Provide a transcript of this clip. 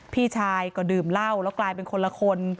พี่ชายก็ดื่มเหล้าแล้วกลายเป็นคนละคน